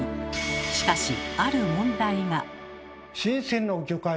しかしある問題が。